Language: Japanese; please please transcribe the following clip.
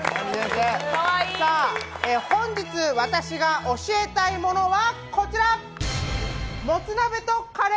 本日私が教えたいものはこちら。